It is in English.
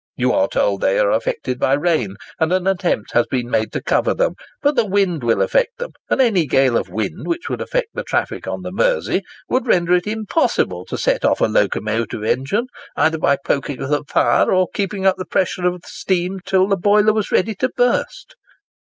You are told they are affected by rain, and an attempt has been made to cover them; but the wind will affect them; and any gale of wind which would affect the traffic on the Mersey would render it impossible to set off a locomotive engine, either by poking of the fire, or keeping up the pressure of the steam till the boiler was ready to burst."